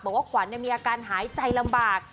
บอกว่าขวัญมีอาการหายใจลำบาก